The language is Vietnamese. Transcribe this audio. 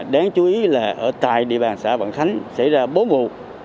đáng chú ý là ở tại địa bàn xã vạn khánh xảy ra bốn vụ